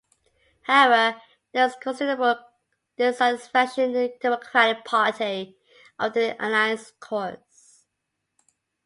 However, there was considerable dissatisfaction in the Democratic Party over the Alliance's course.